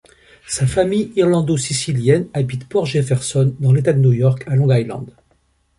Sa famille irlando-sicilienne habite Port Jefferson dans l'état de New York, à Long Island.